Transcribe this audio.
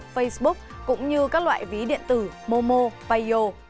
facebook cũng như các loại ví điện tử momo payo